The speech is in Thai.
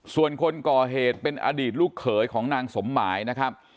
ส่วนคนก่อเหตุเป็นอดีตลูกเขยของนางสมหมายนะครับ